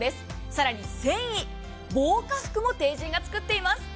更に繊維、防火服も帝人が作っています。